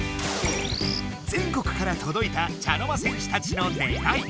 全国からとどいた茶の間戦士たちの願い。